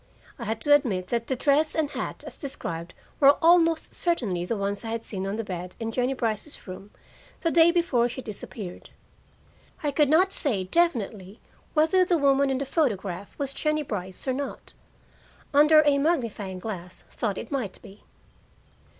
I had to admit that the dress and hat as described were almost certainly the ones I had seen on the bed in Jennie Brice's room the day before she disappeared. I could not say definitely whether the woman in the photograph was Jennie Brice or not; under a magnifying glass thought it might be.